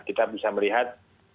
kita bisa melihat